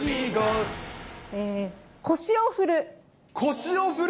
腰を振る。